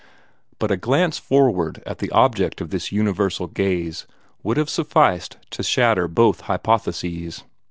But a glance forward at the object of this universal gaze would have sufficed to shatter both hypotheses.